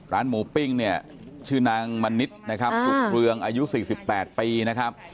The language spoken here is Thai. ร้านหมูปิ้งเนี่ยชื่อนางมณิษฐ์นะครับสุขเรืองอายุ๔๘ปีนะครับ